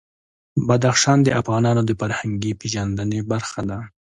بدخشان د افغانانو د فرهنګي پیژندنې برخه ده.